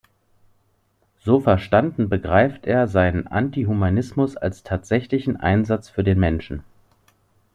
So verstanden begreift er seinen Anti-»Humanismus« als tatsächlichen Einsatz für den Menschen.